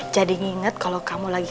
jadi nginget kalau kamu lagi